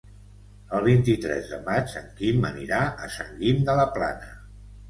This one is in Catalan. El vint-i-tres de maig en Quim anirà a Sant Guim de la Plana.